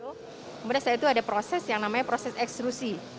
kemudian saat itu ada proses yang namanya proses ekstrusi